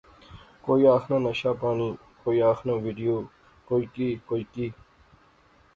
کوئی آخنا نشہ پانی، کوِئی آخنا وڈیو۔۔۔ کوئی کی کوئی کی